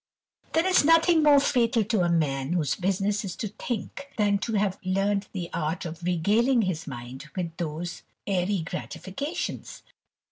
There is nothing more fatal to a man whose business is to think, than to have learned the art of regaling his mind with those airy gratifications.